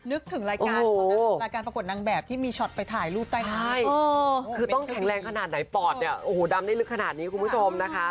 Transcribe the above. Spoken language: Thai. นึกถึงรายการเขานะรายการประกวดนางแบบที่มีช็อตไปถ่ายรูปใต้คือต้องแข็งแรงขนาดไหนปอดเนี่ยโอ้โหดำได้ลึกขนาดนี้คุณผู้ชมนะคะ